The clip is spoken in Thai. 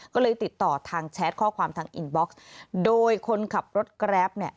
ก็เลยติดต่อทางแชทข้อความทางอินบ็อกซ์โดยคนขับรถแกรปเนี่ย